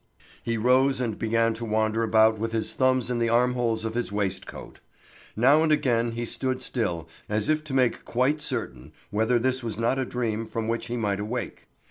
He rose and began to wander about with his thumbs in the armholes of his waistcoat. Now and again he stood still as if to make quite certain whether this was not a dream from which he might awake.